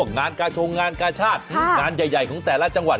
งานกาชงงานกาชาติงานใหญ่ของแต่ละจังหวัด